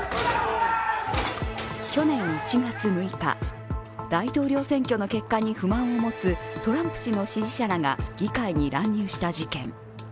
去年１月６日、大統領選挙の結果に不満を持つトランプ氏の支持者らが議会に乱入した事件。